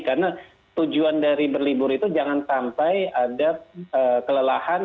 karena tujuan dari berlibur itu jangan sampai ada kelelahan